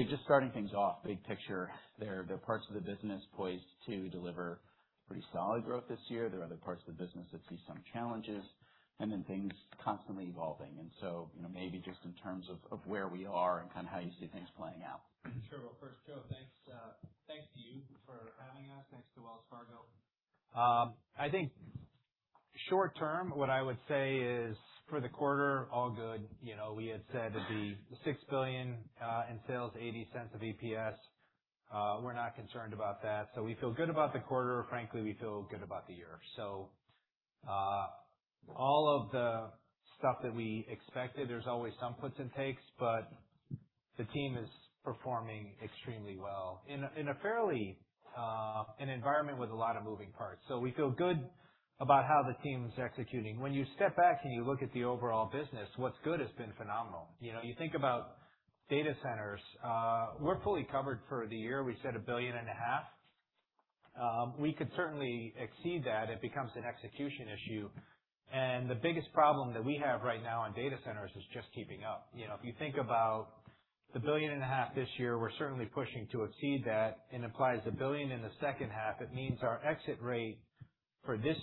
Dave, just starting things off, big picture. There are parts of the business poised to deliver pretty solid growth this year. There are other parts of the business that see some challenges, and things constantly evolving. Maybe just in terms of where we are and how you see things playing out. Sure. Well, first, Joe, thanks to you for having us. Thanks to Wells Fargo. I think short term, what I would say is for the quarter, all good. We had said it'd be $6 billion in sales, $0.80 of EPS. We're not concerned about that. We feel good about the quarter. Frankly, we feel good about the year. All of the stuff that we expected, there's always some puts and takes, but the team is performing extremely well in an environment with a lot of moving parts. We feel good about how the team's executing. When you step back and you look at the overall business, what's good has been phenomenal. You think about data centers. We're fully covered for the year. We said a billion and a half. We could certainly exceed that. It becomes an execution issue. The biggest problem that we have right now in data centers is just keeping up. If you think about a billion and a half this year, we're certainly pushing to exceed that. In Applied, it's a billion in the second half. It means our exit rate for this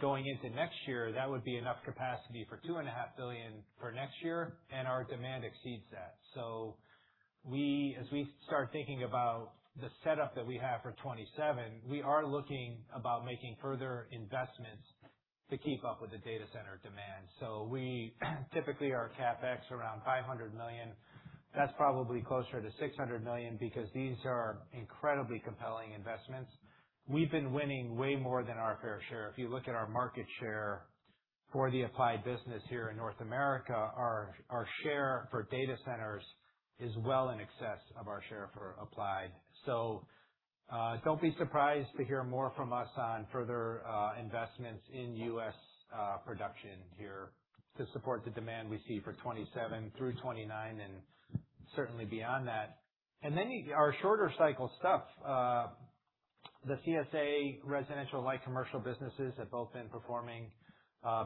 going into next year, that would be enough capacity for 2.5 billion for next year, and our demand exceeds that. As we start thinking about the setup that we have for 2027, we are looking about making further investments to keep up with the data center demand. We typically are CapEx around $500 million. That's probably closer to $600 million because these are incredibly compelling investments. We've been winning way more than our fair share. If you look at our market share for the Applied business here in North America, our share for data centers is well in excess of our share for Applied. Don't be surprised to hear more from us on further investments in U.S. production here to support the demand we see for 2027 through 2029 and certainly beyond that. Our shorter cycle stuff. The CSA residential light commercial businesses have both been performing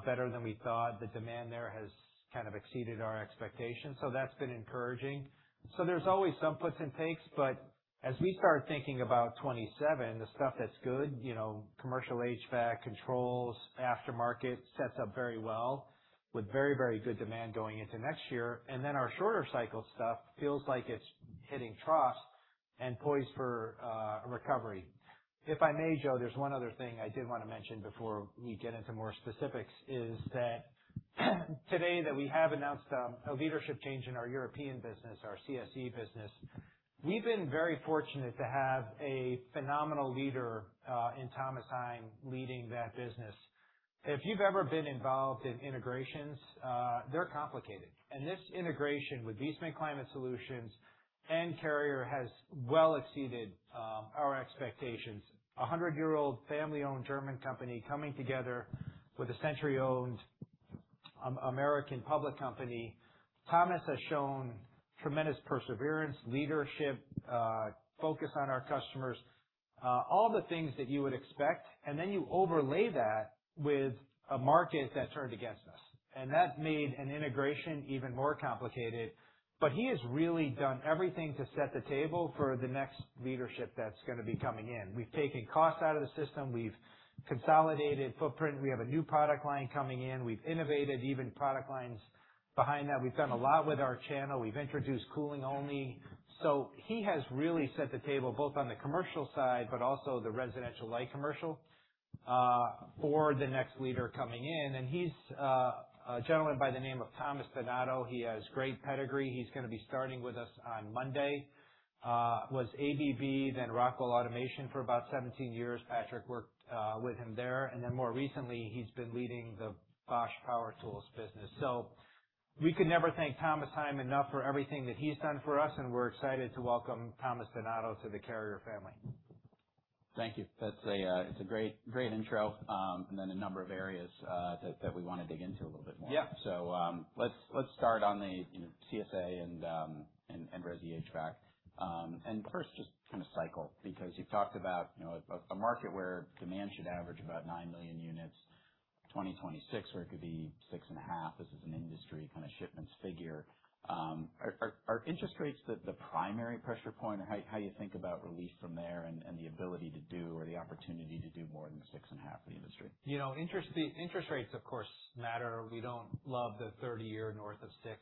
better than we thought. The demand there has exceeded our expectations, that's been encouraging. There's always some puts and takes, but as we start thinking about 2027, the stuff that's good, commercial HVAC, controls, aftermarket sets up very well with very good demand going into next year. Our shorter cycle stuff feels like it's hitting troughs and poised for recovery. If I may, Joe, there's one other thing I did want to mention before we get into more specifics, is that today that we have announced a leadership change in our European business, our CSE business. We've been very fortunate to have a phenomenal leader in Thomas Heim leading that business. If you've ever been involved in integrations, they're complicated. This integration with Viessmann Climate Solutions and Carrier has well exceeded our expectations. A 100-year-old family-owned German company coming together with a century-owned American public company. Thomas has shown tremendous perseverance, leadership, focus on our customers, all the things that you would expect, then you overlay that with a market that turned against us. That made an integration even more complicated. He has really done everything to set the table for the next leadership that's going to be coming in. We've taken cost out of the system. We've consolidated footprint. We have a new product line coming in. We've innovated even product lines behind that. We've done a lot with our channel. We've introduced cooling only. He has really set the table both on the commercial side, but also the residential light commercial, for the next leader coming in, and he's a gentleman by the name of Thomas Donato. He has great pedigree. He's going to be starting with us on Monday. Was ABB, then Rockwell Automation for about 17 years. Patrick worked with him there. More recently, he's been leading the Bosch Power Tools business. We could never thank Thomas Heim enough for everything that he's done for us, and we're excited to welcome Thomas Donato to the Carrier family. Thank you. That's a great intro. Then a number of areas that we want to dig into a little bit more. Yeah. Let's start on the CSA and resi HVAC. First, just cycle, because you've talked about a market where demand should average about 9 million units, 2026, where it could be 6.5. This is an industry shipments figure. Are interest rates the primary pressure point, or how you think about release from there and the ability to do or the opportunity to do more than 6.5 For the industry? Interest rates, of course, matter. We don't love the 30-year north of six.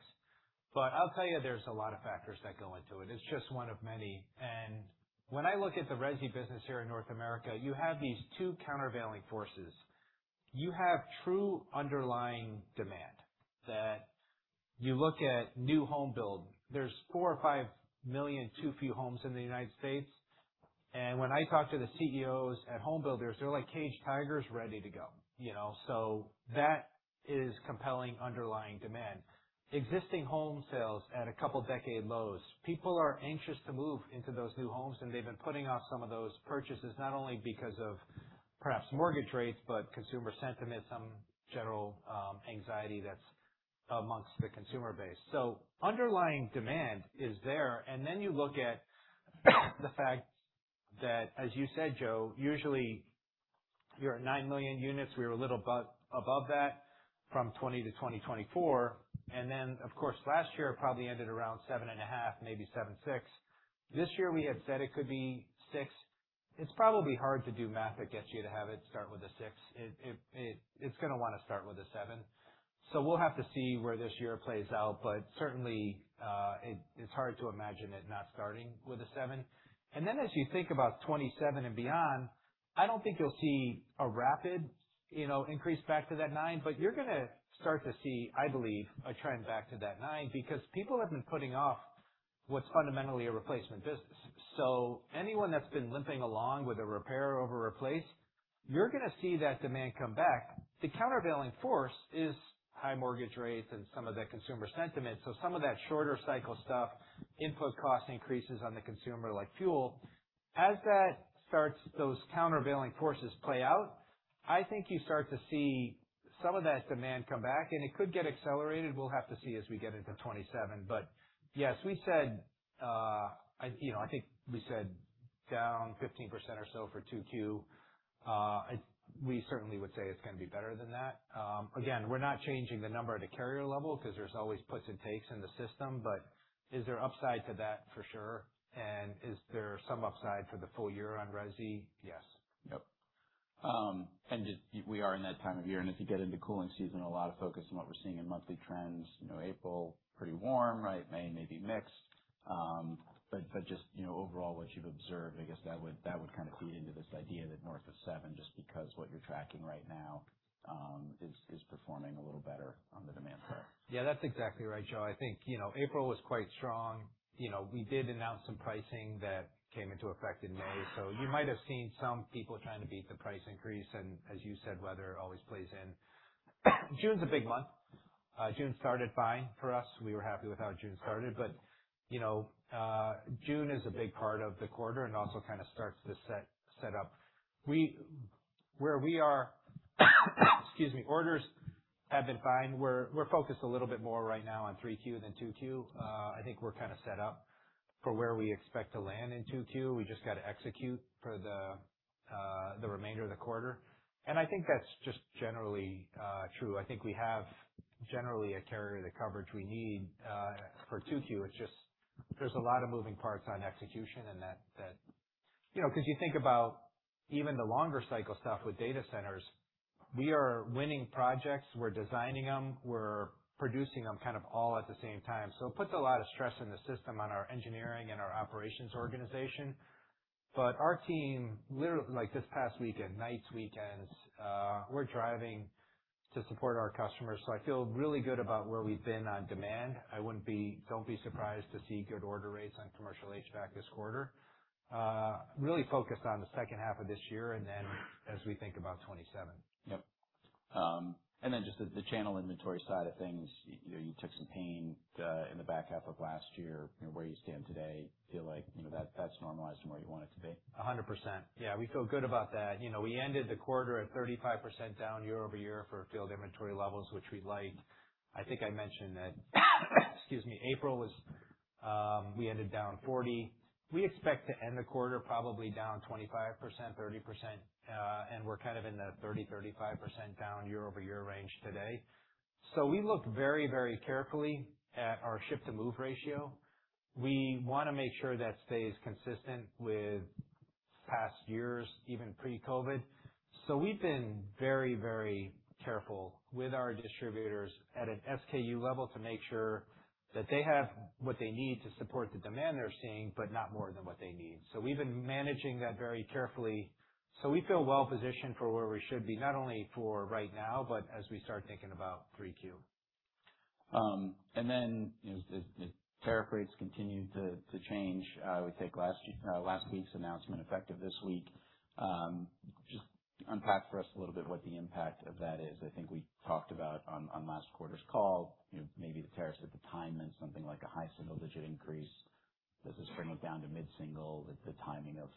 I'll tell you, there's a lot of factors that go into it. It's just one of many. When I look at the resi business here in North America, you have these two countervailing forces. You have true underlying demand that you look at new home build. There's 4 million or 5 million too-few homes in the U.S. When I talk to the Chief Executive Officers at home builders, they're like caged tigers ready to go. That is compelling underlying demand. Existing home sales at a couple decade lows. People are anxious to move into those new homes, and they've been putting off some of those purchases, not only because of perhaps mortgage rates, but consumer sentiment, some general anxiety that's amongst the consumer base. Underlying demand is there. The fact that, as you said, Joe, usually you're at 9 million units. We were a little above that from 2020 to 2024, and then, of course, last year probably ended around 7.5, maybe 7.6. This year we had said it could be six. It's probably hard to do math that gets you to have it start with a six. It's going to want to start with a seven. We'll have to see where this year plays out. Certainly, it's hard to imagine it not starting with a seven. As you think about 2027 and beyond, I don't think you'll see a rapid increase back to that nine, but you're going to start to see, I believe, a trend back to that nine, because people have been putting off what's fundamentally a replacement business. Anyone that's been limping along with a repair over replace, you're going to see that demand come back. The countervailing force is high mortgage rates and some of that consumer sentiment. Some of that shorter cycle stuff, input cost increases on the consumer, like fuel. As those countervailing forces play out, I think you start to see some of that demand come back, and it could get accelerated. We'll have to see as we get into 2027. Yes, I think we said down 15% or so for 2022. We certainly would say it's going to be better than that. Again, we're not changing the number at the Carrier level because there's always puts and takes in the system. Is there upside to that? For sure. Is there some upside for the full year on resi? Yes. Yep. We are in that time of year, as you get into cooling season, a lot of focus on what we're seeing in monthly trends. April, pretty warm, right? May may be mixed. Just overall what you've observed, I guess that would feed into this idea that north of seven, just because what you're tracking right now is performing a little better on the demand front. That's exactly right, Joe. I think April was quite strong. We did announce some pricing that came into effect in May, so you might have seen some people trying to beat the price increase, and as you said, weather always plays in. June's a big month. June started fine for us. We were happy with how June started. June is a big part of the quarter and also kind of starts to set up where we are. Excuse me. Orders have been fine. We're focused a little bit more right now on 3Q than 2Q. I think we're kind of set up for where we expect to land in 2Q. We just got to execute for the remainder of the quarter. I think that's just generally true. I think we have generally a Carrier, the coverage we need for 2Q. It's just there's a lot of moving parts on execution. You think about even the longer cycle stuff with data centers, we are winning projects, we're designing them, we're producing them kind of all at the same time. It puts a lot of stress in the system on our engineering and our operations organization. Our team, this past week, at nights, weekends, we're driving to support our customers. I feel really good about where we've been on demand. Don't be surprised to see good order rates on commercial HVAC this quarter. Really focused on the second half of this year, and then as we think about 2027. Yep. Just the channel inventory side of things. You took some pain in the back half of last year. Where you stand today, feel like that's normalized and where you want it to be? We feel good about that. We ended the quarter at 35% down YoY for field inventory levels, which we like. I think I mentioned that April we ended down 40%. We expect to end the quarter probably down 25%-30%, and we're kind of in the 30%-35% down YoY range today. We look very carefully at our book-to-ship ratio. We want to make sure that stays consistent with past years, even pre-COVID. We've been very careful with our distributors at an SKU level to make sure that they have what they need to support the demand they're seeing, but not more than what they need. We've been managing that very carefully. We feel well positioned for where we should be, not only for right now, but as we start thinking about 3Q. As tariff rates continue to change, we take last week's announcement effective this week. Just unpack for us a little bit what the impact of that is. I think we talked about on last quarter's call, maybe the tariffs at the time meant something like a high single-digit increase. Does this bring it down to mid-single with the timing of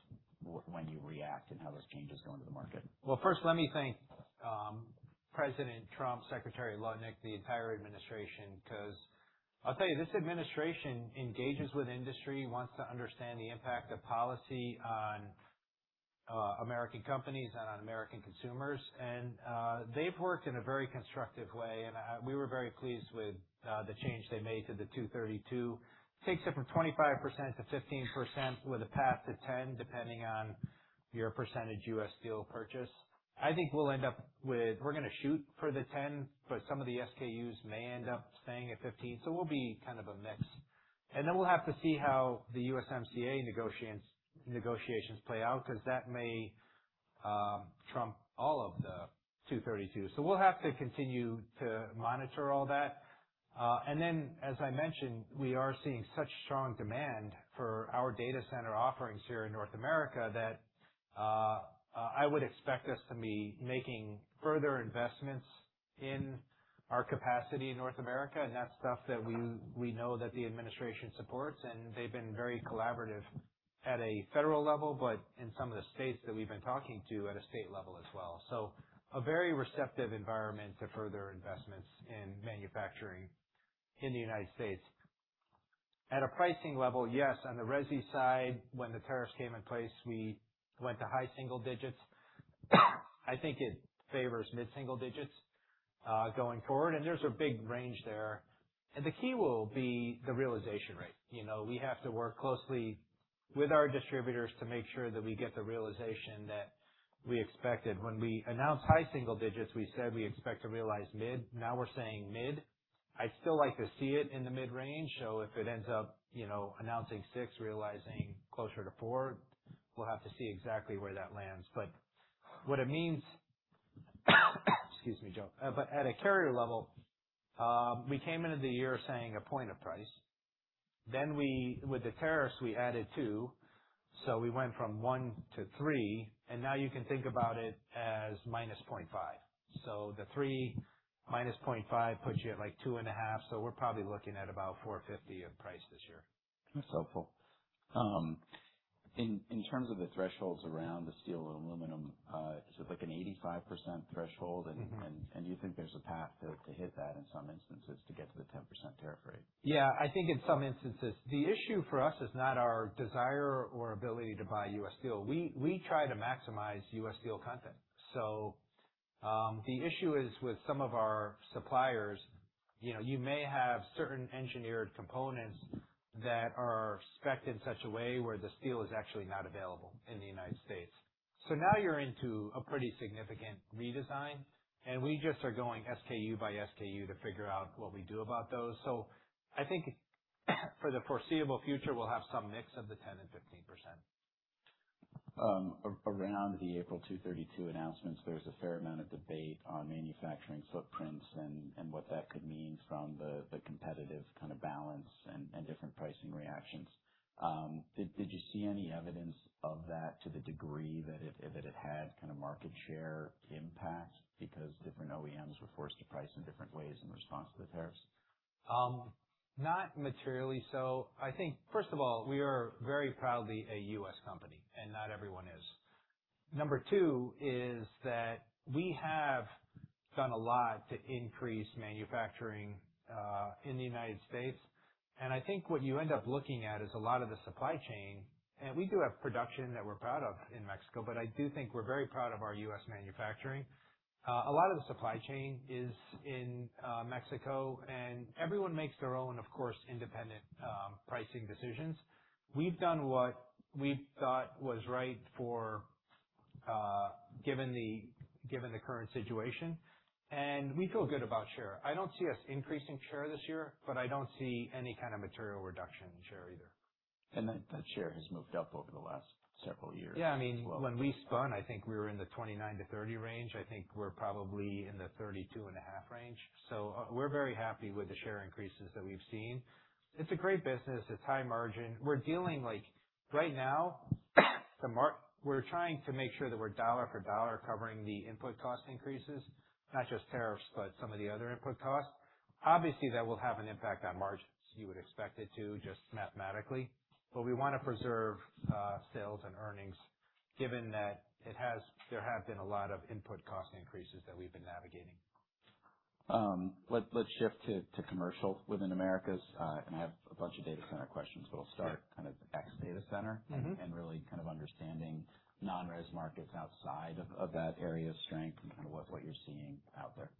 when you react and how those changes go into the market? First let me thank President Trump, Secretary Leavitt, and the entire administration, because I'll tell you, this administration engages with industry, wants to understand the impact of policy on U.S. companies and on American consumers. They've worked in a very constructive way, and we were very pleased with the change they made to the 232. Takes it from 25%-15% with a path to 10%, depending on your percentage U.S. steel purchase. I think we're going to shoot for the 10%, but some of the SKUs may end up staying at 15%, so we'll be kind of a mix. We'll have to see how the USMCA negotiations play out, because that may trump all of the 232. We'll have to continue to monitor all that. As I mentioned, we are seeing such strong demand for our data center offerings here in North America that I would expect us to be making further investments in our capacity in North America, and that's stuff that we know that the administration supports, and they've been very collaborative at a federal level, but in some of the states that we've been talking to at a state level as well. So a very receptive environment to further investments in manufacturing in the United States. At a pricing level, yes, on the resi side, when the tariffs came in place, we went to high single digits. I think it favors mid-single digits, going forward. There's a big range there. The key will be the realization rate. We have to work closely with our distributors to make sure that we get the realization that we expected. When we announced high single digits, we said we expect to realize mid. Now we're saying mid. I'd still like to see it in the mid-range. If it ends up announcing six, realizing closer to four, we'll have to see exactly where that lands. What it means, excuse me, Joe. At a Carrier level, we came into the year saying a point of price. With the tariffs, we added two. We went from one to three, and now you can think about it as -0.5. The three -0.5 puts you at 2.5. We're probably looking at about 450 of price this year. That's helpful. In terms of the thresholds around the steel and aluminum, is it like an 85% threshold? Mh-hm You think there's a path to hit that in some instances to get to the 10% tariff rate? Yeah, I think in some instances. The issue for us is not our desire or ability to buy U.S. Steel. We try to maximize U.S. Steel content. The issue is with some of our suppliers, you may have certain engineered components that are specced in such a way where the steel is actually not available in the U.S. Now you're into a pretty significant redesign, and we just are going SKU by SKU to figure out what we do about those. I think for the foreseeable future, we'll have some mix of the 10% and 15%. Around the April Section 232 announcements, there was a fair amount of debate on manufacturing footprints and what that could mean from the competitive balance and different pricing reactions. Did you see any evidence of that to the degree that it had kind of market share impact because different OEMs were forced to price in different ways in response to the tariffs? Not materially so. I think, first of all, we are very proudly a U.S. company, not everyone is. Number two is that we have done a lot to increase manufacturing, in the United States. I think what you end up looking at is a lot of the supply chain. We do have production that we're proud of in Mexico, but I do think we're very proud of our U.S. manufacturing. Everyone makes their own, of course, independent pricing decisions. We've done what we thought was right for, given the current situation, and we feel good about share. I don't see us increasing share this year, but I don't see any kind of material reduction in share either. That share has moved up over the last several years as well. Yeah. When we spun, I think we were in the 29-30 range. I think we're probably in the 32.5 range. We're very happy with the share increases that we've seen. It's a great business. It's high margin. We're dealing, like right now, we're trying to make sure that we're dollar for dollar covering the input cost increases. Not just tariffs, but some of the other input costs. Obviously, that will have an impact on margins. You would expect it to, just mathematically. We want to preserve sales and earnings, given that there have been a lot of input cost increases that we've been navigating. Let's shift to commercial within Americas. I have a bunch of data center questions, but I'll start ex data center. Mm-hhm. Kind of understanding non-res markets outside of that area of strength and kind of what you're seeing out there.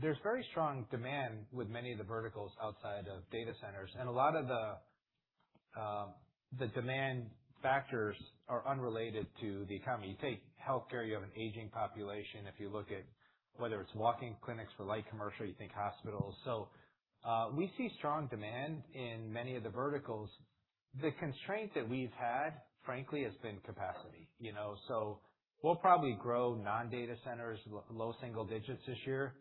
There's very strong demand with many of the verticals outside of data centers, a lot of the demand factors are unrelated to the economy. You take healthcare, you have an aging population. If you look at whether it's walk-in clinics for light commercial, you think hospitals. We see strong demand in many of the verticals. The constraint that we've had, frankly, has been capacity. We'll probably grow non-data centers low single digits this year.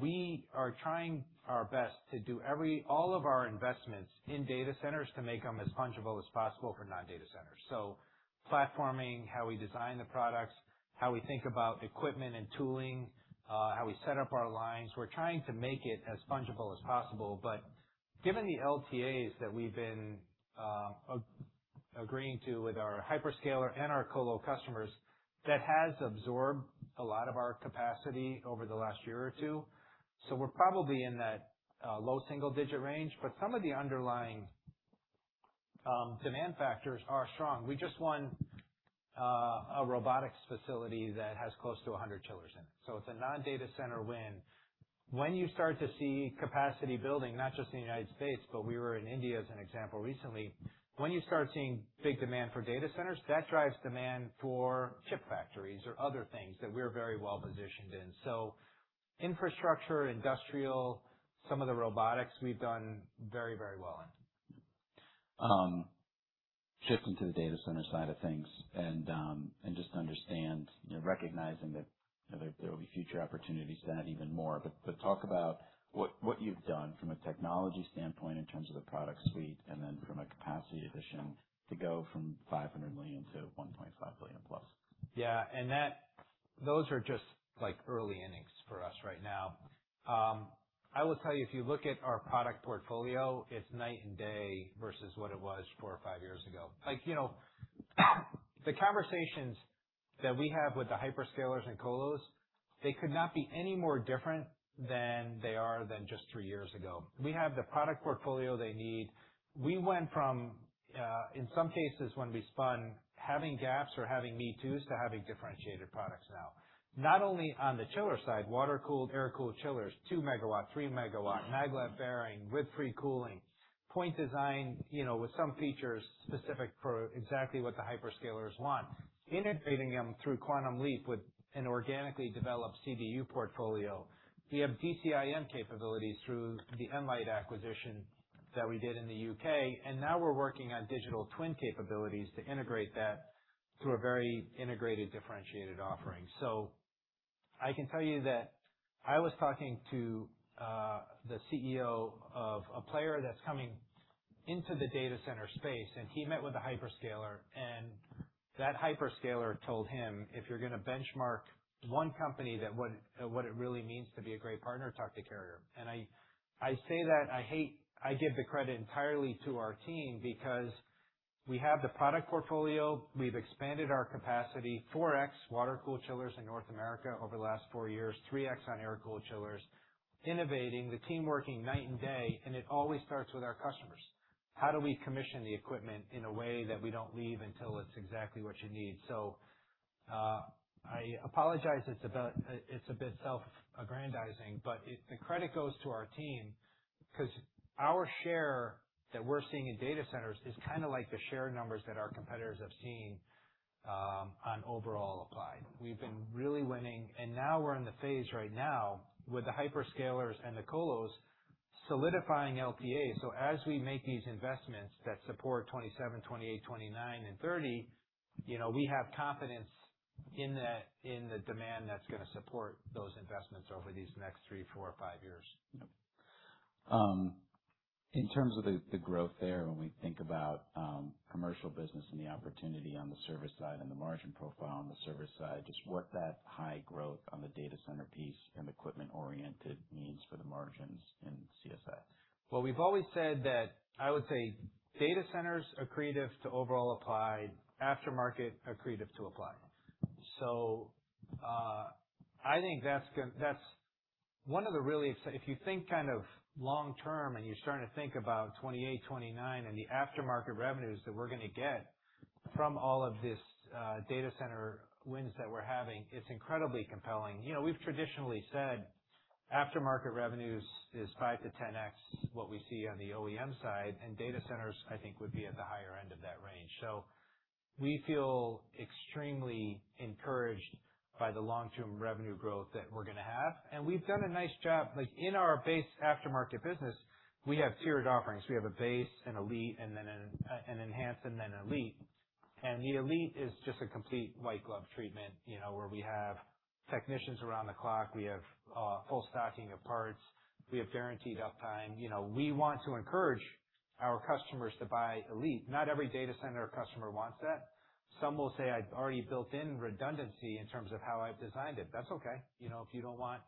We are trying our best to do all of our investments in data centers to make them as fungible as possible for non-data centers. Platforming how we design the products, how we think about equipment and tooling, how we set up our lines. We're trying to make it as fungible as possible, given the LTAs that we've been agreeing to with our hyperscaler and our colo customers, that has absorbed a lot of our capacity over the last year or two. We're probably in that low single-digit range, some of the underlying demand factors are strong. We just won a robotics facility that has close to 100 chillers in it. It's a non-data center win. When you start to see capacity building, not just in the U.S., we were in India as an example recently. When you start seeing big demand for data centers, that drives demand for chip factories or other things that we're very well-positioned in. Infrastructure, industrial, some of the robotics we've done very well in. Shifting to the data center side of things just to understand, recognizing that there will be future opportunities to add even more. Talk about what you've done from a technology standpoint in terms of the product suite and then from a capacity addition to go from $500 million to $1.5+ billion. Yeah. Those are just early innings for us right now. I will tell you, if you look at our product portfolio, it is night and day versus what it was four or five years ago. The conversations that we have with the hyperscalers and colos, they could not be any more different than they are than just three years ago. We have the product portfolio they need. We went from, in some cases, when we spun, having gaps or having me-toos, to having differentiated products now, not only on the chiller side, water-cooled, air-cooled chillers, 2 MW, 3 MW, magnetic bearing with free cooling. Point design, with some features specific for exactly what the hyperscalers want. Innovating them through QuantumLeap with an organically developed CDU portfolio. We have DCIM capabilities through the Enlight acquisition that we did in the U.K., and now we are working on digital twin capabilities to integrate that through a very integrated, differentiated offering. I can tell you that I was talking to the Chief Executive Officer of a player that is coming into the data center space, and he met with a hyperscaler, and that hyperscaler told him, "If you are going to benchmark one company on what it really means to be a great partner, talk to Carrier." I say that, I give the credit entirely to our team because we have the product portfolio. We have expanded our capacity 4x water-cooled chillers in North America over the last four years, 3x on air-cooled chillers, innovating, the team working night and day, and it always starts with our customers. How do we commission the equipment in a way that we do not leave until it is exactly what you need? I apologize it is a bit self-aggrandizing, but the credit goes to our team because our share that we are seeing in data centers is like the share numbers that our competitors have seen on overall Applied. We have been really winning, and now we are in the phase right now with the hyperscalers and the colos solidifying LTAs. As we make these investments that support 2027, 2028, 2029, and 2030, we have confidence in the demand that is going to support those investments over these next three, four or five years. Yep. In terms of the growth there, when we think about commercial business and the opportunity on the service side and the margin profile on the service side, just what that high growth on the data center piece and equipment-oriented means for the margins in CSS. We've always said that I would say data centers accretive to overall Applied, aftermarket accretive to Applied. If you think long-term and you're starting to think about 2028, 2029, and the aftermarket revenues that we're going to get from all of this data center wins that we're having, it's incredibly compelling. We've traditionally said aftermarket revenues is 5x-10x what we see on the OEM side, and data centers, I think, would be at the higher end of that range. We feel extremely encouraged by the long-term revenue growth that we're going to have. We've done a nice job. In our base aftermarket business, we have tiered offerings. We have a base, an elite, and then an enhanced and then elite. The elite is just a complete white glove treatment, where we have technicians around the clock. We have full stocking of parts. We have guaranteed uptime. We want to encourage our customers to buy elite. Not every data center customer wants that. Some will say, "I've already built in redundancy in terms of how I've designed it." That's okay. If you don't want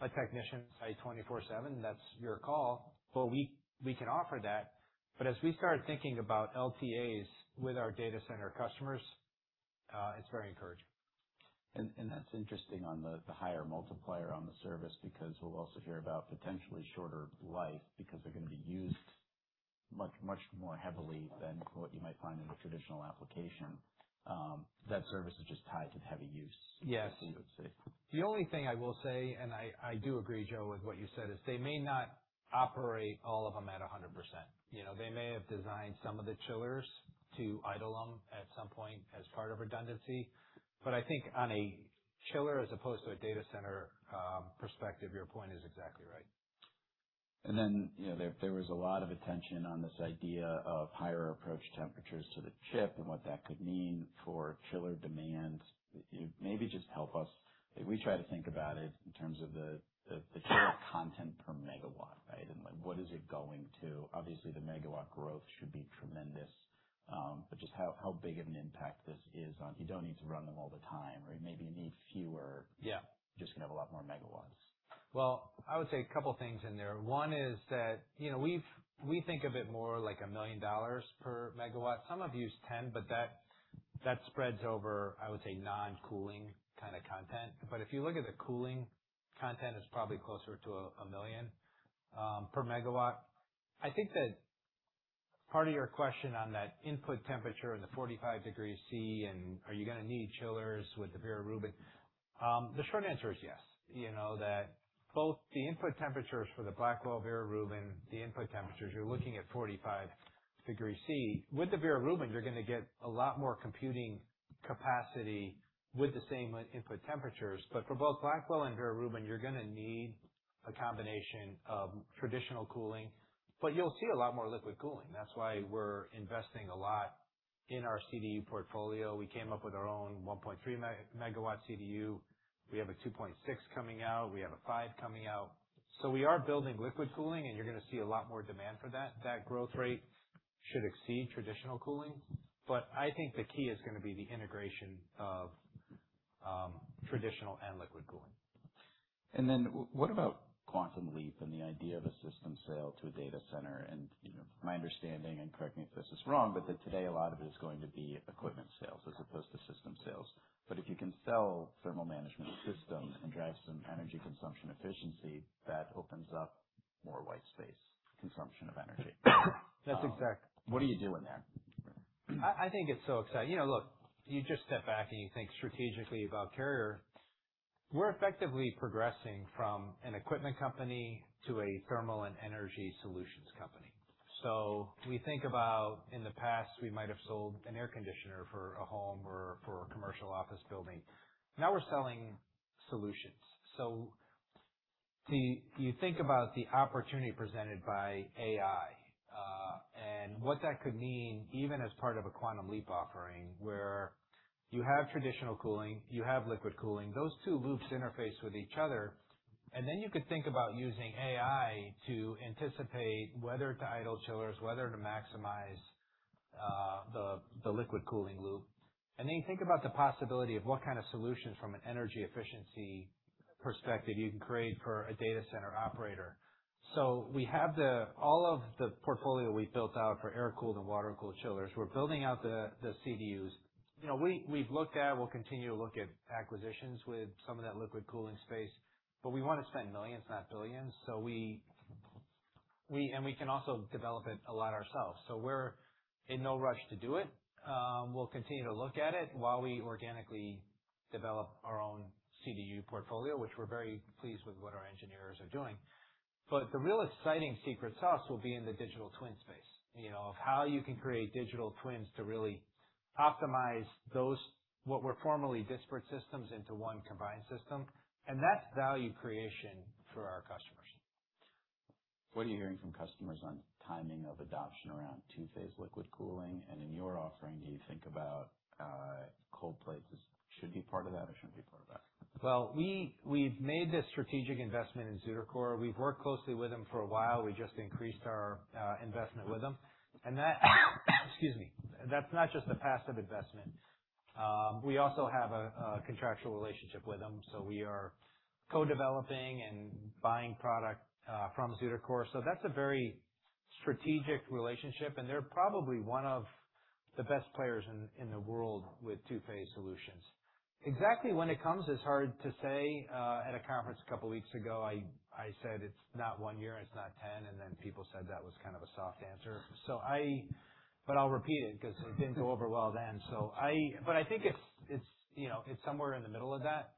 a technician site 24/7, that's your call, but we can offer that. As we start thinking about LTAs with our data center customers, it's very encouraging. That's interesting on the higher multiplier on the service, because we'll also hear about potentially shorter life, because they're going to be used much more heavily than what you might find in a traditional application. That service is just tied to the heavy use. Yes. You would say. The only thing I will say, I do agree, Joe, with what you said, is they may not operate all of them at 100%. They may have designed some of the chillers to idle them at some point as part of redundancy. I think on a chiller as opposed to a data center perspective, your point is exactly right. There was a lot of attention on this idea of higher approach temperatures to the chip and what that could mean for chiller demand. Maybe just help us. We try to think about it in terms of the chill content per megawatt, right? What is it going to? Obviously, the megawatt growth should be tremendous. Just how big of an impact this is on you don't need to run them all the time, or you maybe need fewer. Yeah. You're just going to have a lot more megawatts. Well, I would say a couple things in there. One is that we think of it more like $1 million per megawatt. Some have used 10 MW, that spreads over, I would say, non-cooling kind of content. If you look at the cooling content, it's probably closer to $1 million per megawatt. I think that part of your question on that input temperature and the 45 degrees Celsius and are you going to need chillers with the Vera Rubin? The short answer is yes. That both the input temperatures for the Blackwell, Vera Rubin, the input temperatures, you're looking at 45 degrees Celsius. With the Vera Rubin, you're going to get a lot more computing capacity with the same input temperatures. For both Blackwell and Vera Rubin, you're going to need a combination of traditional cooling, you'll see a lot more liquid cooling. That's why we're investing a lot in our CDU portfolio. We came up with our own 1.3 MW CDU. We have a 2.6 MW coming out. We have a 5 MW coming out. We are building liquid cooling, and you're going to see a lot more demand for that. That growth rate should exceed traditional cooling. I think the key is going to be the integration of traditional and liquid cooling. What about QuantumLeap and the idea of a system sale to a data center? My understanding, and correct me if this is wrong, that today a lot of it is going to be equipment sales as opposed to system sales. If you can sell thermal management systems and drive some energy consumption efficiency, that opens up more white space consumption of energy. That's exact. What do you do in there? I think it's so exciting. Look, you just step back and you think strategically about Carrier. We're effectively progressing from an equipment company to a thermal and energy solutions company. We think about, in the past, we might have sold an air conditioner for a home or for a commercial office building. Now we're selling solutions. You think about the opportunity presented by AI, and what that could mean even as part of a QuantumLeap offering, where you have traditional cooling, you have liquid cooling, those two loops interface with each other. Then you could think about using AI to anticipate whether to idle chillers, whether to maximize the liquid cooling loop. Then you think about the possibility of what kind of solutions from an energy efficiency perspective you can create for a data center operator. We have all of the portfolio we've built out for air-cooled and water-cooled chillers. We're building out the CDUs. We've looked at, we'll continue to look at acquisitions with some of that liquid cooling space. We want to spend millions, not billions. We can also develop it a lot ourselves. We're in no rush to do it. We'll continue to look at it while we organically develop our own CDU portfolio, which we're very pleased with what our engineers are doing. The real exciting secret sauce will be in the digital twin space, of how you can create digital twins to really optimize those, what were formerly disparate systems into one combined system. That's value creation for our customers. What are you hearing from customers on timing of adoption around two-phase liquid cooling? In your offering, do you think about cold plates as should be part of that or shouldn't be part of that? Well, we've made this strategic investment in ZutaCore. We've worked closely with them for a while. We just increased our investment with them. Excuse me. That's not just a passive investment. We also have a contractual relationship with them. We are co-developing and buying product from ZutaCore. That's a very strategic relationship, and they're probably one of the best players in the world with two-phase solutions. Exactly when it comes, it's hard to say. At a conference a couple of weeks ago, I said it's not one year and it's not 10. Then people said that was kind of a soft answer. I'll repeat it because it didn't go over well then. I think it's somewhere in the middle of that.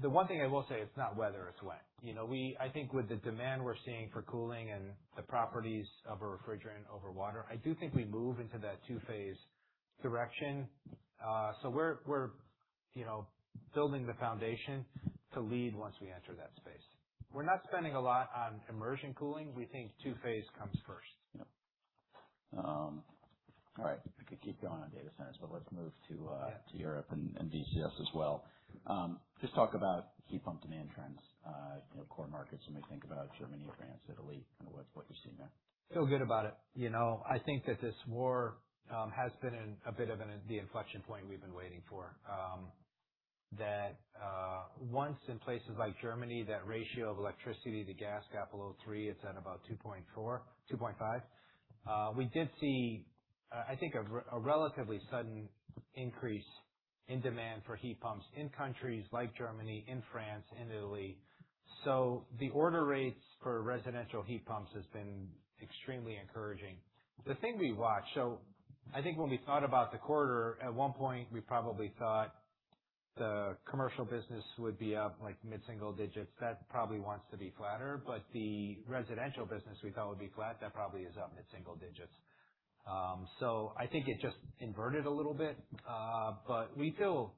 The one thing I will say, it's not whether, it's when. I think with the demand we're seeing for cooling and the properties of a refrigerant over water, I do think we move into that two-phase direction. We're building the foundation to lead once we enter that space. We're not spending a lot on immersion cooling. We think two-phase comes first. Yep. All right. I could keep going on data centers, let's move to Europe and DCS as well. Just talk about heat pump demand trends, core markets. You may think about Germany, France, Italy, kind of what you've seen there. Feel good about it. I think that this war has been a bit of the inflection point we've been waiting for, that once in places like Germany, that ratio of electricity to gas got below three, it's at about 2.4:2.5. We did see, I think, a relatively sudden increase in demand for heat pumps in countries like Germany, France, Italy. The order rates for residential heat pumps has been extremely encouraging. The thing we watch, I think when we thought about the quarter, at one point, we probably thought the commercial business would be up like mid-single digits. That probably wants to be flatter. The residential business we thought would be flat, that probably is up mid-single digits. I think it just inverted a little bit. We feel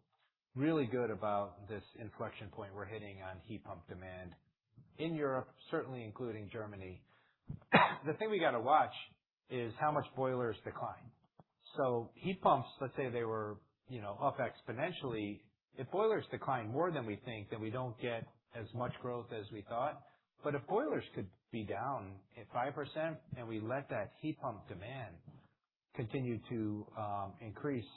really good about this inflection point we're hitting on heat pump demand in Europe, certainly including Germany. The thing we got to watch is how much boilers decline. Heat pumps, let's say they were up exponentially. If boilers decline more than we think, then we don't get as much growth as we thought. If boilers could be down at 5% and we let that heat pump demand continue to increase,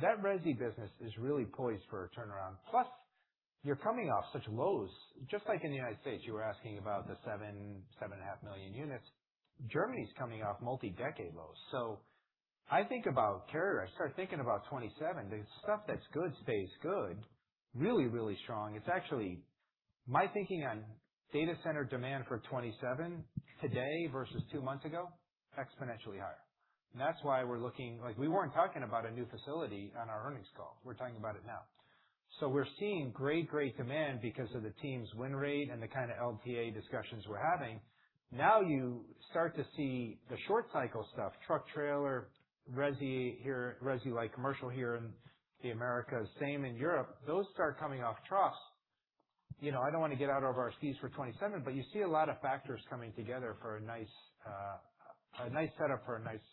that resi business is really poised for a turnaround. Plus, you're coming off such lows, just like in the United States, you were asking about the 7.5 million units. Germany's coming off multi-decade lows. I think about Carrier, I start thinking about 2027, the stuff that's good stays good, really, really strong. It's actually my thinking on data center demand for 2027 today versus two months ago, exponentially higher. That's why we weren't talking about a new facility on our earnings call. We're talking about it now. We're seeing great demand because of the team's win rate and the kind of LTA discussions we're having. You start to see the short cycle stuff, truck trailer, resi like commercial here in the Americas, same in Europe. Those start coming off trust. I don't want to get out over our skis for 2027, you see a lot of factors coming together for a nice setup for a nice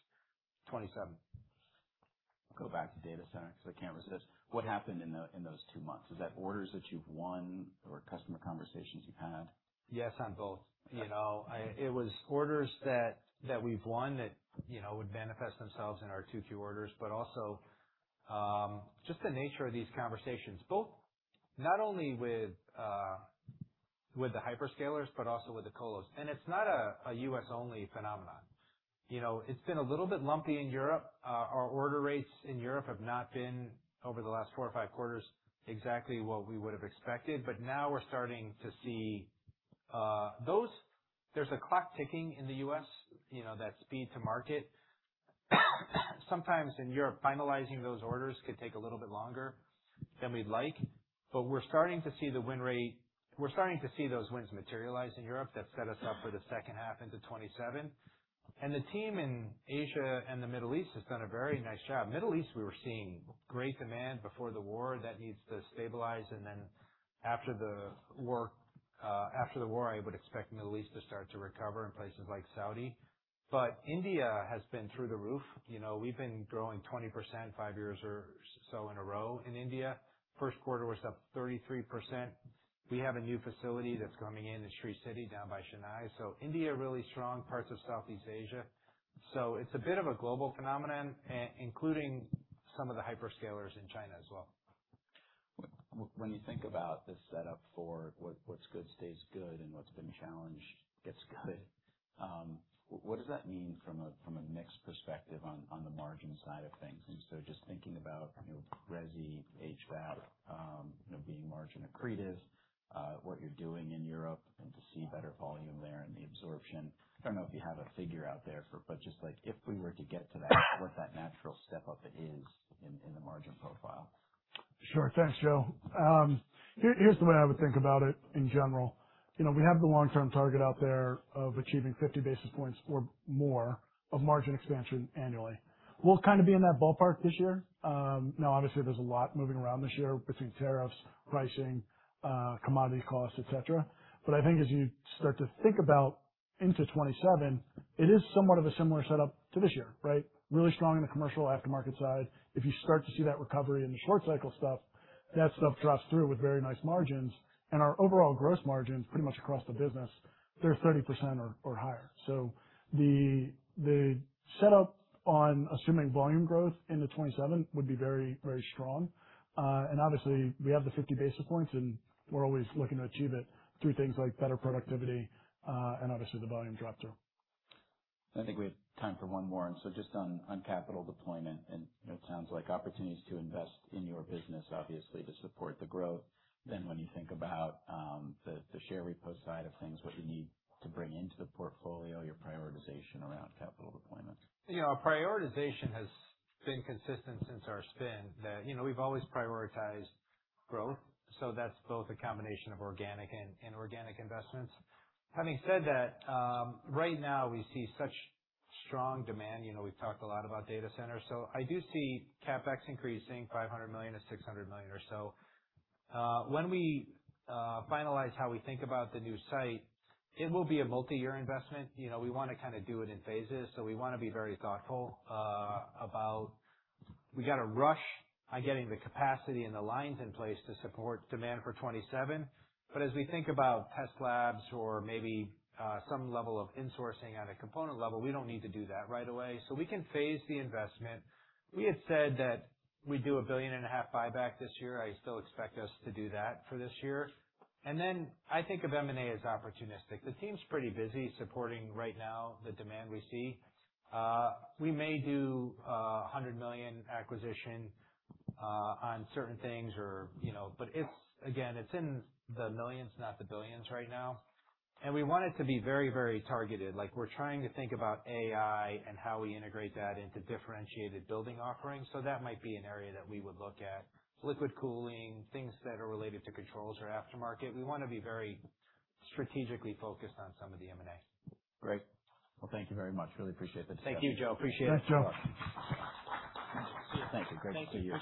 2027. Go back to data center because I can't resist. What happened in those two months? Is that orders that you've won or customer conversations you've had? Yes on both. It was orders that we've won that would manifest themselves in our 2Q orders, also just the nature of these conversations, both not only with the hyperscalers, but also with the colos. It's not a U.S.-only phenomenon. It's been a little bit lumpy in Europe. Our order rates in Europe have not been, over the last four or five quarters, exactly what we would've expected. Now we're starting to see those. There's a clock ticking in the U.S., that speed to market. Sometimes in Europe, finalizing those orders could take a little bit longer than we'd like, we're starting to see those wins materialize in Europe that set us up for the second half into 2027. The team in Asia and the Middle East has done a very nice job. Middle East, we were seeing great demand before the war. That needs to stabilize, after the war, I would expect Middle East to start to recover in places like Saudi. India has been through the roof. We've been growing 20% five years or so in a row in India. First quarter, was up 33%. We have a new facility that's coming in in Sri City down by Chennai. India, really strong. Parts of Southeast Asia. It's a bit of a global phenomenon, including some of the hyperscalers in China as well. When you think about the setup for what's good stays good and what's been challenged gets good, what does that mean from a mix perspective on the margin side of things? Just thinking about resi, HVAC being margin accretive, what you're doing in Europe, and to see better volume there and the absorption. I don't know if you have a figure out there, but just if we were to get to that, what that natural step-up is in the margin profile. Sure. Thanks, Joe. Here's the way I would think about it in general. We have the long-term target out there of achieving 50 basis points or more of margin expansion annually. We'll kind of be in that ballpark this year. Now, obviously, there's a lot moving around this year between tariffs, pricing, commodity costs, et cetera. I think as you start to think about into 2027, it is somewhat of a similar setup to this year, right? Really strong in the commercial aftermarket side. If you start to see that recovery in the short cycle stuff, that stuff drops through with very nice margins, and our overall gross margins pretty much across the business, they're 30% or higher. The setup on assuming volume growth into 2027 would be very strong. Obviously, we have the 50 basis points, and we're always looking to achieve it through things like better productivity, and obviously the volume drop-through. I think we have time for one more. Just on capital deployment, and it sounds like opportunities to invest in your business, obviously to support the growth. When you think about the share repo side of things, what you need to bring into the portfolio, your prioritization around capital deployment. Our prioritization has been consistent since our spin that we've always prioritized growth, that's both a combination of organic and inorganic investments. Having said that, right now we see such strong demand. We've talked a lot about data centers. I do see CapEx increasing $500 million-$600 million or so. When we finalize how we think about the new site, it will be a multi-year investment. We want to kind of do it in phases. We want to be very thoughtful about. We got to rush on getting the capacity and the lines in place to support demand for 2027. As we think about test labs or maybe some level of insourcing at a component level, we don't need to do that right away. We can phase the investment. We had said that we'd do a billion and a half buyback this year. I still expect us to do that for this year. I think of M&A as opportunistic. The team's pretty busy supporting right now the demand we see. We may do a $100 million acquisition on certain things, but again, it's in the millions, not the billions right now. We want it to be very targeted. We're trying to think about AI and how we integrate that into differentiated building offerings. That might be an area that we would look at. Liquid cooling, things that are related to controls or aftermarket. We want to be very strategically focused on some of the M&A. Great. Thank you very much. Really appreciate the discussion. Thank you, Joe. Appreciate it. Thanks, Joe. Thank you. Great to see you.